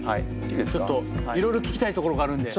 ちょっといろいろ聞きたいところがあるんで。